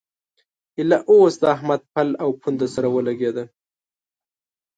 ايله اوس د احمد پل او پونده سره ولګېده.